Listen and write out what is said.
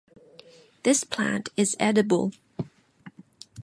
This plant is edible.